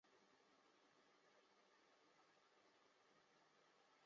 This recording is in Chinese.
这项发现是分析由行星环绕时拉扯恒星的引力造成的径向速度变化得到的。